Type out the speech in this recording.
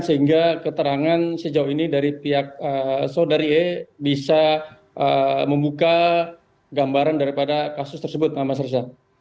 sehingga keterangan sejauh ini dari pihak saudari e bisa membuka gambaran daripada kasus tersebut mas riza